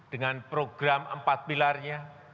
dengan program empat pilarnya